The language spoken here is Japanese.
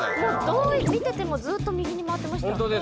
どう見ててもずっと右に回ってました。